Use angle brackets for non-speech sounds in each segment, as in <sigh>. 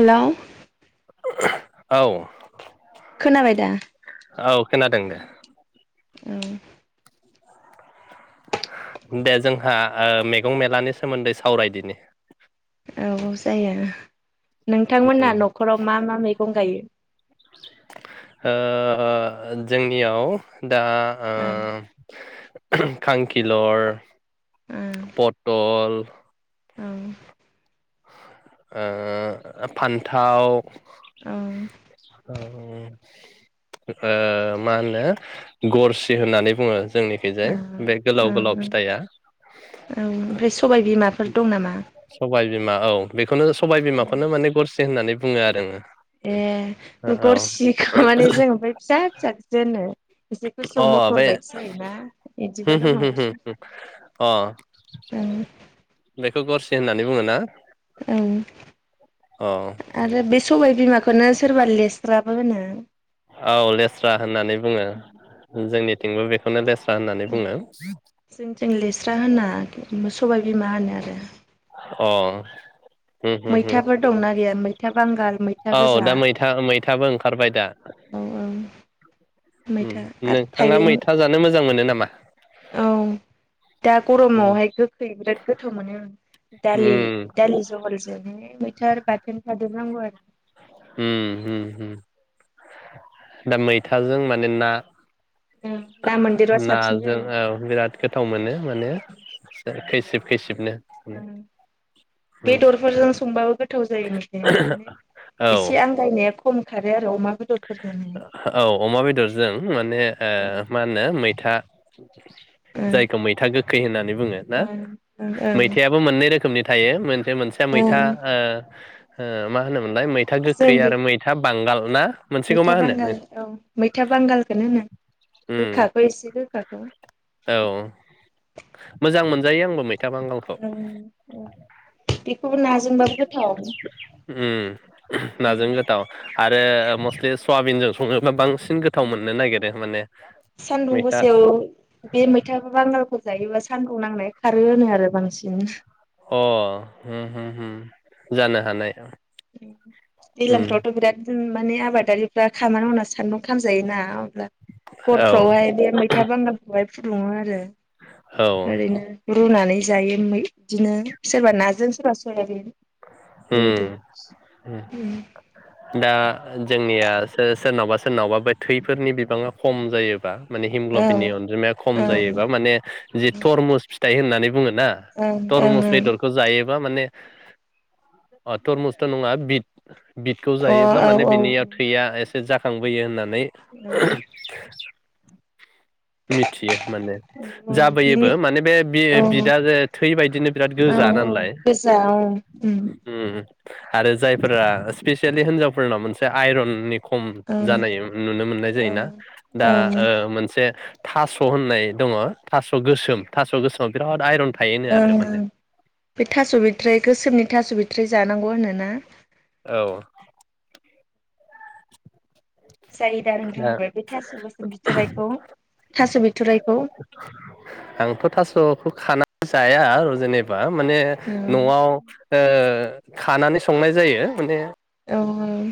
हेल' औ। खोनाबाय दा? औ खोनादों दे। औ। दे जोंहा ओ मैगं मेलानि सोमोन्दै सावरायदिनि औ औ जायो। उम नोंथांमोना न'खराव मा मा मै गं गायो? ओ जोंनियाव दा ओं ओ खांखिलर पटल औ। ओ फान्थाव ओं ओं ओ मा होनो गरसि होननानै बुङो। जोंनिखैजाय ओं बे गोलाव ओं गोलाव ओं फिथाइया ओं ओमफ्राय सबाय बिमाफोर दं नामा? सबाय बिमा औ बे बेखौनो सबाय बिमाखौनो माने गरसि होननानै बुङो आरो आङो। ए गरसिखौ माने जों बै फिसा फिसाखोसो होनो। एसे औ गुसुं अ बे मटर बायदि जायोना होम इदिबो होम दङ होम होम गुसुं अ ओ खौ गरसे होननानै बुङो ना? ओं अ आरो बे सबाय बिमा खौनो सोरबा लेस्राबो होनो औ लेस्रा होननानै बुङो जोंनि थिंबो बेखौनो लेस स्रा होननानै बुङो। जों लेस्रा होना सबाय बिमा होनो आरो अ उम उम उम मैथाफोर दंना गैया मै था बांगाल मैथा गोजा थाबो ओंखारबाय दा औ <inaudible> उम मैथा आरो नोंथाङा थाइबें मैथा जानो मोजां मोनो ना मा औ दा उम गरमावहाय गोखै बिराद गोथाव मोनो आं। दालि उम दालि जहलजों माने मैथा आरो बाथोन थादेर नांगौ आरो उम उम उम दा मैथाजों माने ना ना मोनदेरबा ना साबसिन जायो जोंहाय औ बिराद गोथाव मोनो माने एसेखै सिब खैसिबनो उम उम बेदरफोरजों संबाबो गोथाव जायो मैथाया माने औ एसे आंगायनाया ख खम खारो आ औ अमा बेदरजों माने ओ मा होनो मैथा ओं जायखौ मैथा गोखै होननानै बुङो ना ओं ओं मैथायाबो मोननै रोखोमनि थायो मोन बे मोनसेया ओं मैथा ओं ओ ओ मा होनो मोनलबाय मैथा जों गोखै बे आरो मैथा बांगाल ना मोनसेखौ मैथा मा होनो बांगाल नों औ मैथा बांगालखौनो होनो उम गोखाखौ एसे गोखाखौ । जायो आंबो म मैथा बांगालखौ उ बेखौबो नाजोंबाबो गोथाव नाजों गोथाव आरो मस्लि सवाबिनजों सङोबा बांसि <inaudible> सानदुं मैथा गोसेायाव बे मैथा बांगालखौ जायोबा सानदुं नांनाय खारो होनो आरो बांसिन अ जानो हो हो होयो जानो हानाय <inaudible> उम दैलांफ्रावथ बिराद जों माने आबादारिफ्रा खामानि मावना सान्दुं खालामामजायोना अब्ला औ हरफ्रावहाय बे मैथा बांगालखौहाय फुदुंङो आरो औ ओरैनो रुनानै जायो बिदिनो सोरबा नाजों सोरबा सयाबिन हम बेबायदि हम सम द दा जोंनिया सोरनावबा सोरनावबा बे थैफोरनि बिबाङा खम जायोबा माने औ ओं हिमग्लबिननि अनजिमाया खम ओं जायोबा माने जि थरमुस फिथाइ होननानै बुङ ना ओं तरमुस अ बेदरखौ जायो बा माने अ थरमुस्थ नङा बिट बिदखौ जायोब्ला औ माने औ बिनियाव थैया एसे जाखांबोयो होनना नै <inaudible> औ मिथियो माने बिनि जाबोयोबो माने बे औ बिदा ज थै बायदिनो बिराद गोजा औ नालाय गोजा औ उम उम आरो जायफोरा स्पेसियेलि हिनजावफोरनाव मोनसे आइरननि खम ओं जानाय नुनो मोननाय औ जायोना दा ओं ओ मोनसे थास होननाय दङ थास गोसोम थास गोसोमाव बिराद आइरन थायोनो आरो ओं ओं माने बे थास बिथराय गोसोमनि थास बिथ <unintelligible> जानांगौ होनोना औ। जाय दा नोंथाङाय बे थास गोसोम बिथरखौ थास बिथरायखौ आंथ' थास'खौ खाना जाया जेने बा माने औ न'आव ओ खानानै संनाय जायो माने औ औ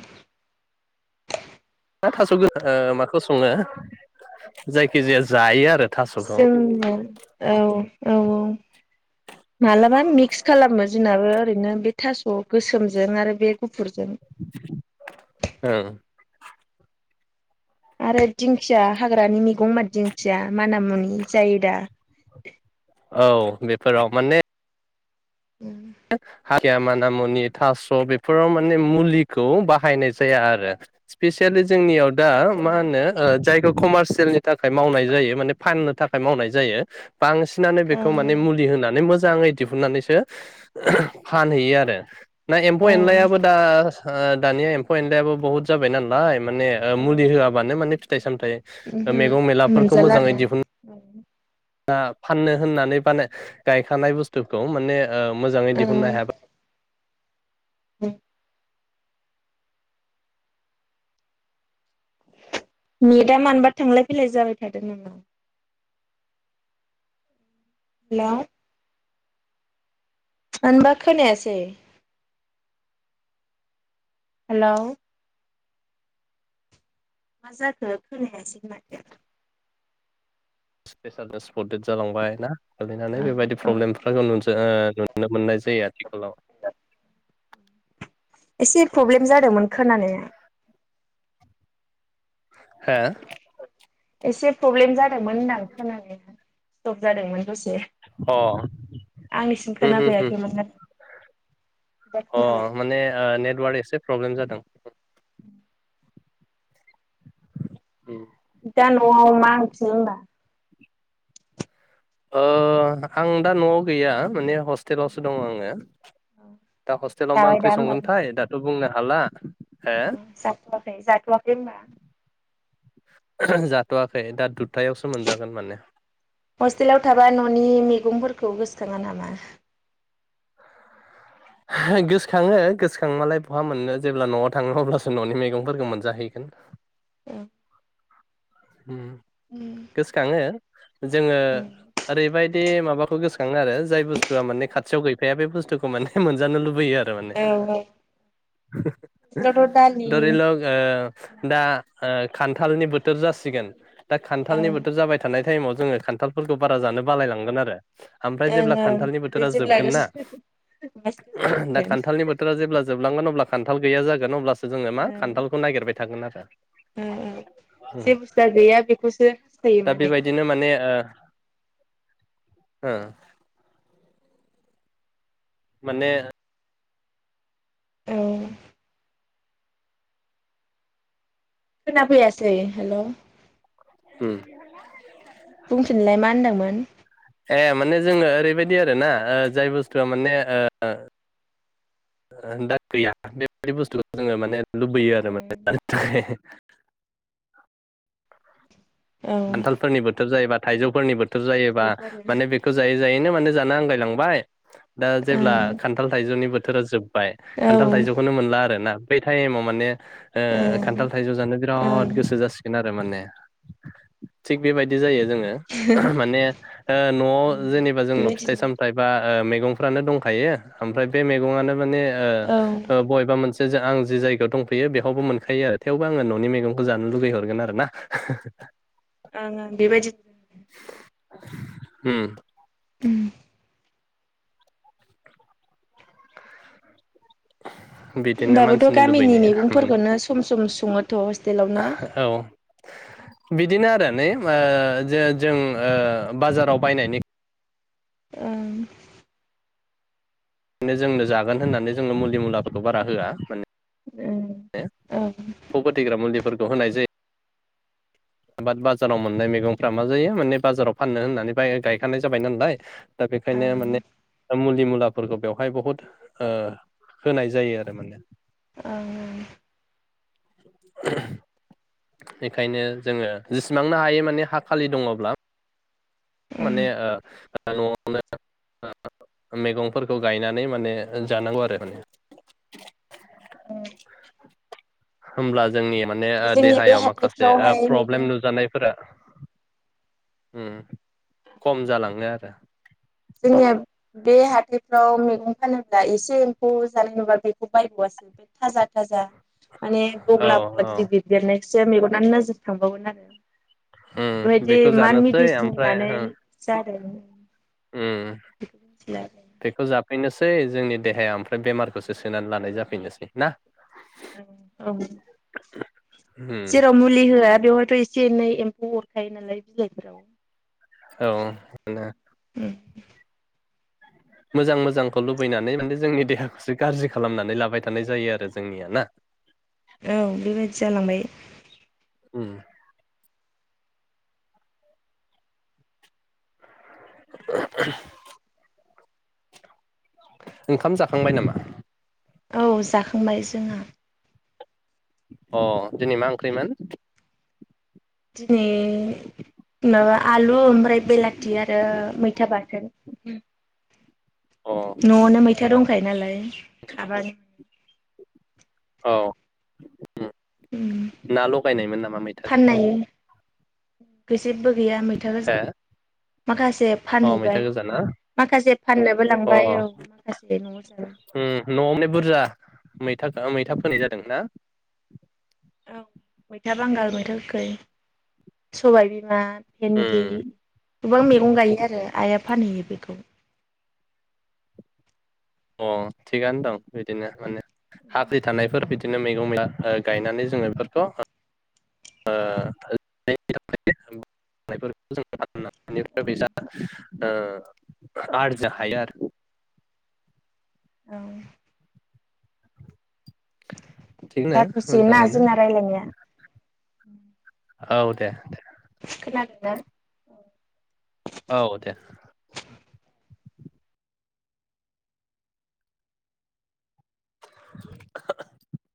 मा थास'गोन माखौ सङो जायखि जाया जायो आरो थास'खौ जों औ औ औ औ। <inaudible> मालाबा मिक्स खालामो। जोंनाबो ओरैनो बे थास' गोसोमजों आरो बे गु ओं। आरो दिंखिया हाग्रानि मैगं मा दिंखिया माना मुनि जायो दा? औ बेफोराव माने खिया माना मुनि थास' बेफोराव माने मुलिखौ बाहायनाय जाया आरो स्पिसियेलि जोंनियाव दा मा ओं होनो ओ जाय खौ कमारसियेलनि थाखाय मावनाय जायो, माने फाननो थाखाय मावनाय जायो। बांसिनानो बेखौ ओं माने मुलि होनानै मोज जाङै दिहुननानैसो फानहैयो आरो। ना औ एम्फौ एनलायाबो दा ओ दानिया एम्फौ एनलायाबो बहुद जाबाय नालाय माने ओ मुलि जाबाय होआबानो माने फिथाइ सामथाइ मेगं ओमहो मेलाफोरखौ मोनजाला मोजाङै दिहुन आरो दा फाननो होननानै बानाय गायखानाय बुस्थुखौ माने ओ मोजाङै दिहुननो औ हायाबा <inaudible> नेदा मानोबा थांलाय फैलाय जाबाय थादों नामा? हेल'? मानोबा खोनासै। हेलौ? मा जाखो खोनायासै माथो? <unintelligible> पडेट जालांबाय ना गोलैनानै बेबायदि औ औ प्रब्लेमफा <unintelligible> नुनो मोननाय जायो आथिखालाव। एसे प्रब्लेम जादोंमोन खोनानाया। हो? एसे प्रब्लेम जादोंमोन होनदां खोनानाया। स्टप जादोंमोन। दसे आंनिसिम उम उम उम खोनाफैयाखैमोनना। अ माने ओ नेटवर्क एसे प्रब्लेम जादों। <inaudible> दा न'आव मा ओंख्रि होनबा? ओ आं दा न'आव गैया माने हस्टेलावसो दङ आङो दा हस्टेलाव मा जाबाय ओंख्रि संगोनथाय दाथ' बुंनो ह हाला हो अ जाथ'आखै जाथ'आखै होनबा? ओह ह जाथ'वखै दा दुद हस्टेलाव थाबा न'नि मि गंफोरखौ गोसोखाङा नामा? गोसोखाङो गोसोखांबालाय बहा मोननो जेब्ला न'आव थाङो अब्लासो न'नि मैगंफोरखौ मोनजाहैगोन। उम हम गोसोखाङो जोङो ओरैबायद दि माबाखौ गोसोखाङो आरो जाय बुस्थुआ माने खाथियाव गैफाया बे बुस्थुखौ माने हे मोनजानो लुबैयो आरो । दामाने। औ हस्टेलावथ' दालि दरिलग ओ दा ओ खान्थालनि बोथोर जासि सिगोन दा खान्थालनि ओं बोथोर जाबाय थानाय टाइमाव जोङो खान्थालफोरखौ बारा जानो बालायलांगोन आरो ओमफ्राय ओं जेब्ला ओं खान्थालनि ओमफ्राय बोथोरा जेब्ला जोबगोन ना औ दा खान्थालनि बोथोरा जेब्ला जोबलांगोन अब्ला खान्थाल गैया जागोन अब्लासो सोजोङो मा औ खान्थालखौ नागिरबाय थागोन आरो। हम जा गैया बेखौसो हासथायो माने। ए ओ हो माने औ खोनाफैयासै हेलौ हम बुंफिनलाय <unintelligible> ए माने जोङो ओरैबायदि आरो ना ओ जाय बुस्थुआ माने ओ ओ दा गैया बेबायदि बुस्थुखौ जोङो माने लुबैयो औ आरो माने <inaudible> ओं बान्थालफोरनि बोथोर जायोबा थाइजौफोरनिबो थोरजायोबा माने बेखौ जायो जायैनो माने जानो आंगाय लांबाय दा जेब्ला खान्थाल थाइजौनि बोथ थोरो जोब बाय औ खान्थाल ओं थाइजौखौनो मोनला आरो ना बे टाइमाव माने ओ खान्थाल थाइजौ जानो ओं बिराद गोसो जासिगोन आरो माने थिग बेबायदि जायो जोंङो माने ओ नआव जेनेबा जोंनाव फिथाइ बेबायदिनो सामथाइ बा ओ मैगंफ्रानो दंखायो ओमफ्राय बे मैगङानो माने ओ औ ओं ओ बबेबा मोनसे आं जि जायगायाव दंफैयो बेहावबो मोनखायो आरो थेवबो आङो ननि मेगंखौ जानो लुगै हरगोन आरोना हो हो हो ओं ओं बेबायदि हम उम बिदिनो होनोमबाबोथ मानसिनि गामिनि लुबैनाया माने मैगंफोरखौनो सम सम संङोथ हस्टेलाव ना औ बिदिनो आरो ने ओ जो जों ओ बाजाराव बायनायनि ओं जोंनो जागोन होननानै जों नो मुलि मुलाफोरखौ बारा होआ माने उम ए ओं एम्फौ फथैग्रा मुलिफोरखौ होनाय जायो बाद बाजाराव मोननाय मैगंफ्रा मा जायो माने बाजाराव फाननो होननानै बाय-गायखानाय जाबाय नालाय दा बेखायनो ओं माने मुलि मुलाफोरखौ बेवहाय बहुद ओ होनाय जायो आरो माने ओं ओं <unintelligible> बेखायनो जोङो जेसेबांनो हायो माने हा खालि दङब्ला माने ओं ओ नआवनो ओ मैगंफोरखौ गायनानै माने ओ जानांगौ आरो माने होमला जोंनि माने ओ जोंनि बे देहायाव माखासे ओ हाथायफ्रावहाय मैगं प्रब्लेम नुजानायफोरा हम खम जालाङो आरो जोंनिया बे हाथाइफ्राव मैगं फानोब्ला एसे एम्फौ जानाय नुबा बेखौ बायब आसो थाजा थाजा माने औ बगला औ बायदि बिरदेनाय एसे मेगनानो नोजोर थांबावगोन आरो उम बेबायदि बेखौ मा जानोसै मेडिसिन ओमफ्राय होननानै जाय <unintelligible> उम बेखौ जाब बेनोसै जोंनि देहाया ओमफ्राय बेमारखौ होसोनानै लानाय जाफैनोसै ना औ औ औ उम जेराव मुलि होआ बेवहायथ' एस एसे एनै एम्फौ अरखायो नालाय बिलाइफोराव औ <unintelligible> उम मोजां मोजांखौ लुबैनानै माने जोंनि देहाखौसो गाज्रि खालामनानै लाबाय थानाय जायो आरो जोंनिया ना। औ बेबायदि जालांबाय। उम। <unintelligible> ओंखाम जाखांबाय नामा? औ जाखां फंबाय जोंहा। अ' दिनै मा ओंख्रिमोन? दिनै माबा आलु ओमफ्राय बेलाथि आरो मैथा बाथोन। अ न'आवनो मैथा दंखायो नालाय खाबानो औ। उम ना लगायनायमोन नामा मैथाजों? <unintelligible> जेब्बो गैया मैथा गोजा। हो माखास ए अ मैथा फानहैबाय गोजा ना माखासे फाननोबो अ लांबाय औ माखासे न'आव जाबाय। उम न'आव माने बुरजा <unintelligible> मैथा फोनाय जादों ना? औ मैथा बांगाल, मैथा गोखै, सबाय बिमा भेन्दि, उम गोबां मैगं गायो आरो आइ आफ फानहैयो बेखौ। अ' थिगानो दं बिदिनो माने। हाफ्रि थानायफोर बिदि नो मैगं मैला ओ गायनानै औ जोङो बेफोरखौ ओ <unintelligible> औ <unintelligible> ओ आरजिनो हायो आरो। औ। थिगनो जाथ'सिगोनना मोजाङानो जोंना रायलायनाया? उम। औ दे दे। खोनादोंना औ। औ दे। <unintelligible>